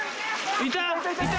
いた？